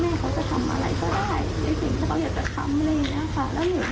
ไม่ใช่ว่าเป็นพ่อแม่เขาจะทำอะไรก็ได้